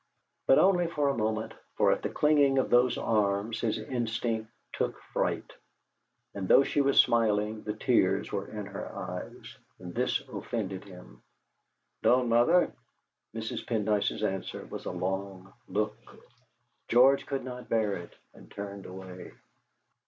But only for a moment, for at the clinging of those arms his instinct took fright. And though she was smiling, the tears were in her eyes, and this offended him. "Don't, mother!" Mrs. Pendyce's answer was a long look. George could not bear it, and turned away.